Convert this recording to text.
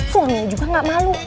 suaminya juga nggak malu